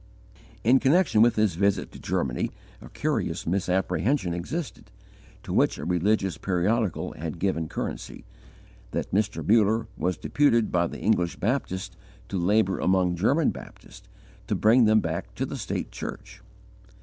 In connection with this visit to Germany, a curious misapprehension existed, to which a religious periodical had given currency, that Mr. Muller was deputed by the English Baptists to labour among German Baptists to bring them back to the state church.